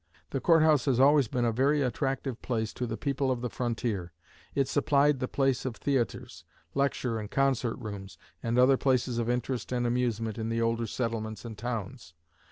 The court house has always been a very attractive place to the people of the frontier. It supplied the place of theatres, lecture and concert rooms, and other places of interest and amusement in the older settlements and towns.